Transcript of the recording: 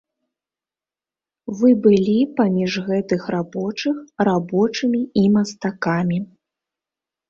Вы былі паміж гэтых рабочых рабочымі і мастакамі.